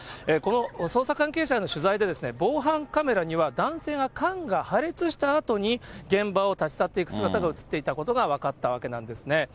捜査関係者への取材で、防犯カメラには男性が缶が破裂したあとに現場を立ち去っていく姿が写っていたことが分かったわけなんですね。